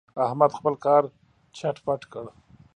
احمد خپل کار چټ پټ کړ.